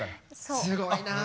すごいな。